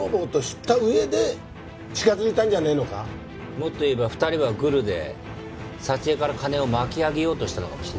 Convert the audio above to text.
もっと言えば２人はグルで佐知恵から金を巻き上げようとしたのかもしれない。